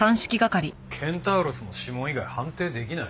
ケンタウロスの指紋以外判定できない？